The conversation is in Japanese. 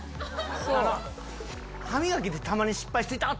あの歯磨きでたまに失敗して痛っ！